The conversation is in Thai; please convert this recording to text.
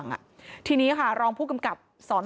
พอครูผู้ชายออกมาช่วยพอครูผู้ชายออกมาช่วย